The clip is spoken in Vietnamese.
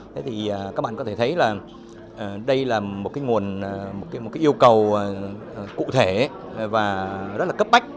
các bạn có thể thấy đây là một yêu cầu cụ thể và rất là cấp bách